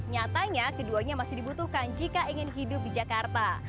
nyatanya keduanya masih dibutuhkan jika ingin hidup di jakarta